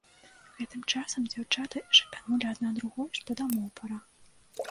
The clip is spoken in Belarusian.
Гэтым часам дзяўчаты шапянулі адна другой, што дамоў пара.